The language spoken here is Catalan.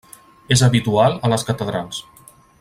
És habitual a les catedrals.